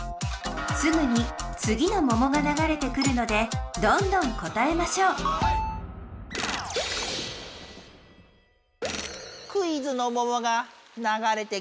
すぐに次のももがながれてくるのでどんどん答えましょうクイズのももがながれてきたわ。